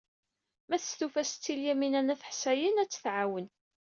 Ma testufa Setti Lyamina n At Ḥsayen, ad tt-tɛawen.